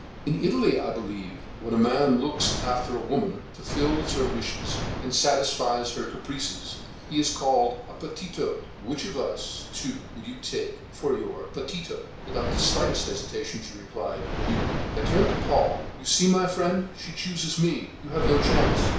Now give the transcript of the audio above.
"In Italy, I believe, when a man looks after a woman, fulfils all her wishes, and satisfies all her caprices, he is called a patito. Which of us two will you take for your patito?" Without the slightest hesitation she replied: "You!" I turned to Paul. "You see, my friend, she chooses me; you have no chance."